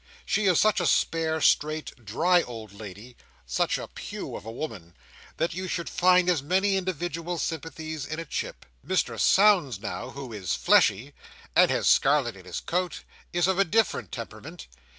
She is such a spare, straight, dry old lady—such a pew of a woman—that you should find as many individual sympathies in a chip. Mr Sownds, now, who is fleshy, and has scarlet in his coat, is of a different temperament.